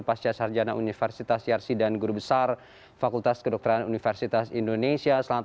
pasca sarjana universitas yarsi dan guru besar fakultas kedokteran universitas indonesia